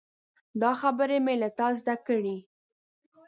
دا خبرې مې له تا زده کړي.